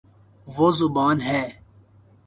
وہ زبا ن ہے